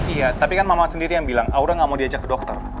iya tapi kan mama sendiri yang bilang aura nggak mau diajak ke dokter